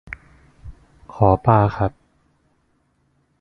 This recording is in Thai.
ขอปลาครับ